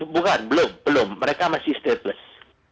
bukan belum belum mereka masih stateless